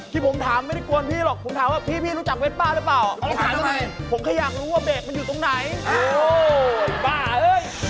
ที่ผมถามไม่ได้กวนพี่หรอกผมถามว่าพี่รู้จักเว้นป้าหรือเปล่าถามยังไงผมแค่อยากรู้ว่าเบรกมันอยู่ตรงไหนป้าเอ้ย